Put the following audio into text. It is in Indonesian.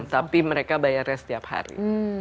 tapi mereka bayarnya setiap hari